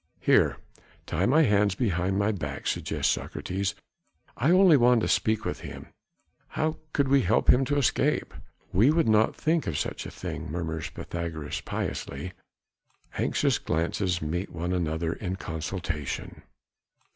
"Here! tie my hands behind my back," suggests Socrates. "I only want to speak with him. How could we help him to escape?" "We would not think of such a thing," murmurs Pythagoras piously. Anxious glances meet one another in consultation.